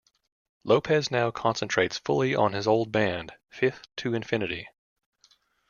Lopez now concentrates fully on his old band, Fifth to Infinity.